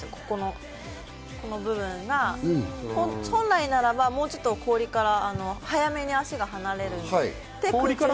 ここの部分が本来ならばもうちょっと氷から早めに足が離れる。